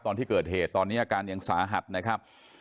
ตอนที่เกิดเหตุตอนนี้อาการยังสาหัสนะครับ